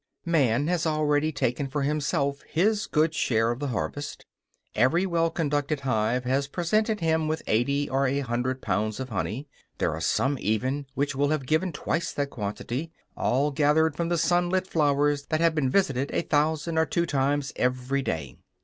Man has already taken for himself his good share of the harvest. Every well conducted hive has presented him with eighty or a hundred pounds of honey; there are some even which will have given twice that quantity, all gathered from the sun lit flowers that will have been visited a thousand or two times every day.